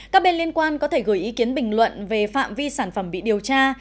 các bên liên quan có thể gửi ý kiến bình luận về phạm vi sản phẩm bị điều tra